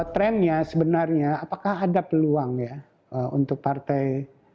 trendnya sebenarnya apakah ada peluang ya untuk partai